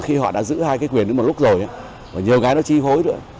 khi họ đã giữ hai quyền lúc rồi nhiều cái nó chi hối nữa